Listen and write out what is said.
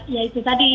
ya itu tadi